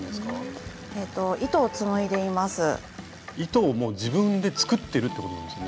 糸をもう自分で作ってるってことなんですよね？